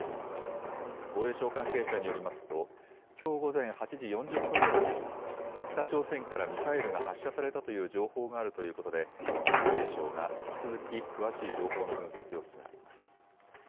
防衛省関係者によりますと、きょう午前８時４０分ごろにも、北朝鮮からミサイルが発射されたという情報があるということで、防衛省が引き続き詳しい情報の分析を進めています。